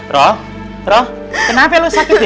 rodh rodh kenapa lo sakit ya